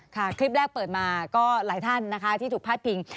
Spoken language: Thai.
คลิปแรกเปิดมาก็หลายท่านนะคะที่ถูกพาดพิง